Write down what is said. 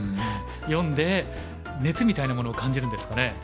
読んで熱みたいなものを感じるんですかね？